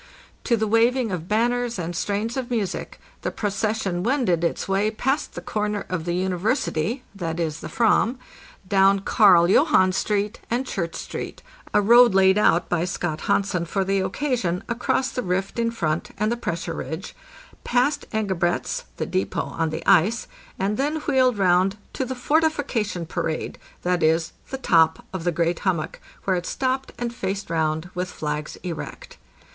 To the waving of banners and strains of music the proces sion wended its way past the corner of the University (viz., the Fram), down " Karl Johan's Street" and "Church Street" (a road laid out by Scott Hansen for the occasion across the rift in front and the pressure ridge), past Engebret's (the depot on the ice), and then wheeled round to the ' Fortification Parade" * (viz., the top of the great hummock), where it stopped and faced round with flags erect.